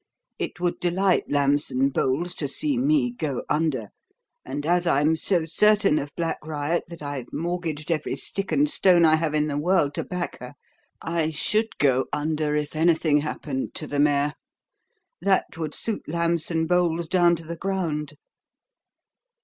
It would delight Lambson Bowles to see me 'go under'; and as I'm so certain of Black Riot that I've mortgaged every stick and stone I have in the world to back her, I should go under if anything happened to the mare. That would suit Lambson Bowles down to the ground."